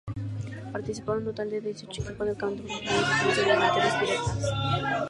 Participaron un total de dieciocho equipos del campeonato profesional enfrentándose en eliminatorias directas.